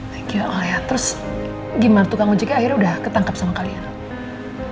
thank you allah ya terus gimana tukang ojeknya akhirnya udah ketangkap sama kalian